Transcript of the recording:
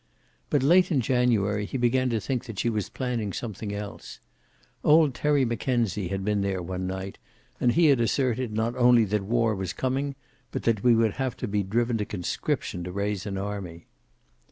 But late in January he began to think that she was planning something else. Old Terry Mackenzie had been there one night, and he had asserted not only that war was coming, but that we would be driven to conscription to raise an army.